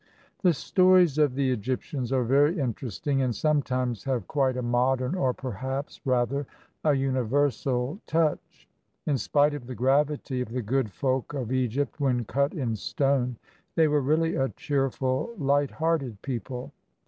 The stories of the Egyptians are very interesting, and sometimes have quite a modern, or perhaps, rather, a uni versal, touch. In spite of the gravity of the good folk of Egypt when cut in stone, they were really a cheerful, light hearted people.